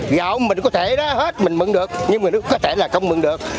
gạo mình có thể hết mình mượn được nhưng mình cũng có thể là không mượn được